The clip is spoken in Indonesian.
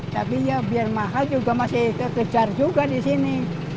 tapi ya biar mahal juga masih terkejar juga di sini